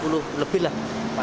empat puluh lebih lah